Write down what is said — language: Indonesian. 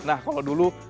nah kalau dulu